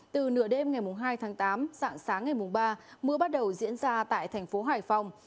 từ nửa đêm ngày hai tháng tám dạng sáng ngày mùng ba mưa bắt đầu diễn ra tại thành phố hải phòng